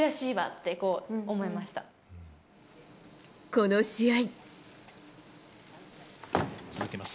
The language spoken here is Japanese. この試合。